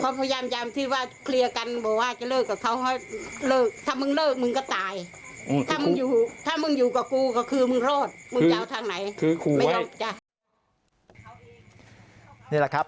นี่แหละครับ